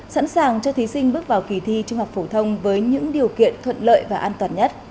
sẵn sàng cho thí sinh bước vào kỳ thi trung học phổ thông với những điều kiện thuận lợi và an toàn nhất